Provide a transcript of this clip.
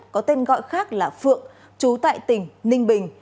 có tên gọi khác là phượng chú tại tỉnh ninh bình